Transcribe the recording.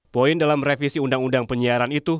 poin dalam revisi undang undang penyiaran itu